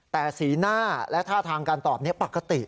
แต่สีหน้าและท่าทางการตอบนี้ปกติ